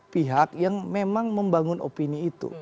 pihak yang memang membangun opini itu